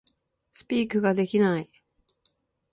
Speak ができない